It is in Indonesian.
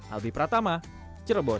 albi pratama cirebon